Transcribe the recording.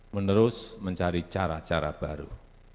menerus mencari cara cara baru